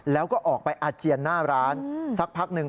แล้วก็ออกไปอาเจียนหน้าร้านสักพักหนึ่ง